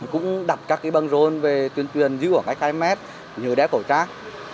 cũng đặt các cái băng rôn về tuyên truyền giữ ở cái khai mét nhớ đeo cổ trác